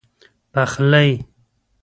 پخلی